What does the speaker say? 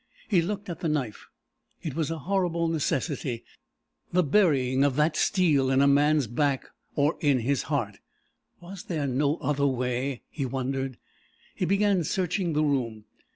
He looked at the knife. It was a horrible necessity the burying of that steel in a man's back, or his heart! Was there no other way, he wondered? He began searching the room.